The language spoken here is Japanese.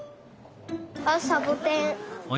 あっサボテン。